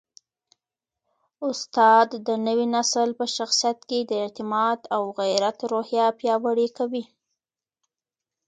استاد د نوي نسل په شخصیت کي د اعتماد او غیرت روحیه پیاوړې کوي.